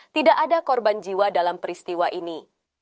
tidak ada korban jiwa dalam peristiwa ini